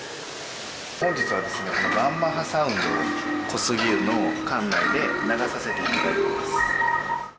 本日はですね、このガンマ波サウンドを小杉湯の館内で流させていただいてます。